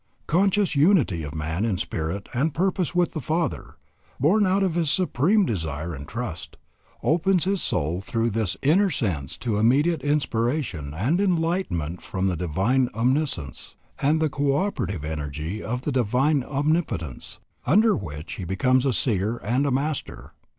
... Conscious unity of man in spirit and purpose with the Father, born out of his supreme desire and trust, opens his soul through this inner sense to immediate inspiration and enlightenment from the Divine Omniscience, and the co operative energy of the Divine Omnipotence, under which he becomes a seer and a master.